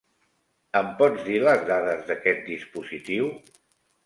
Em pots dir les dades d'aquest dispositiu?